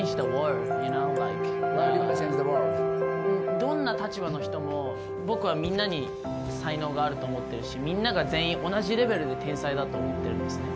どんな立場の人も、僕はみんなに才能があると思ってるし、みんなが全員、同じレベルで天才だと思ってるんですね。